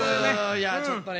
いやあちょっとね